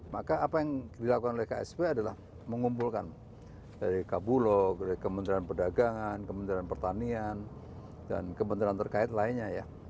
maka apa yang dilakukan oleh ksp adalah mengumpulkan dari kabulo dari kementerian perdagangan kementerian pertanian dan kementerian terkait lainnya ya